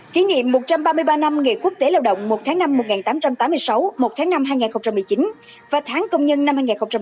kỷ niệm một trăm ba mươi ba năm nghệ quốc tế lao động một tháng năm một nghìn tám trăm tám mươi sáu một tháng năm hai nghìn một mươi chín và tháng công nhân năm hai nghìn hai mươi